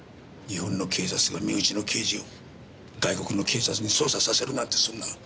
日本の警察が身内の刑事を外国の警察に捜査させるなんてそんな。